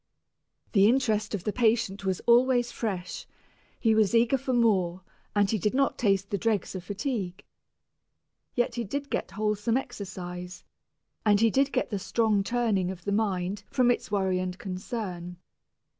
The interest of the patient was always fresh, he was eager for more, and he did not taste the dregs of fatigue. Yet he did get the wholesome exercise, and he did get the strong turning of the mind from its worry and concern.